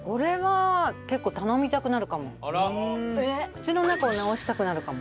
口の中を直したくなるかも。